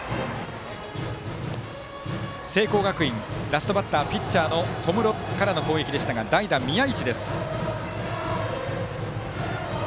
聖光学院、ラストバッターはピッチャーの小室からの攻撃でしたが代打、宮一です。